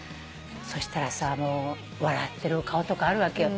そしたらさ笑ってる顔とかあるわけよ。